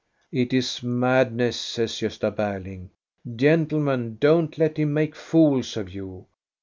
" "It is madness," says Gosta Berling. "Gentle men, don't let him make fools of you!